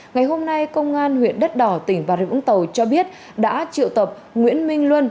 ngày hôm nay công an huyện đất đỏ tỉnh bà rịa vũng tàu cho biết đã triệu tập nguyễn minh luân